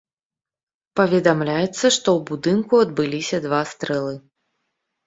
Паведамляецца, што ў будынку адбыліся два стрэлы.